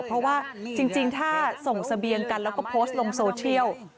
เพราะว่าจริงถ้าส่งเสบียงกันแล้วก็โพสต์ลงโซเชียล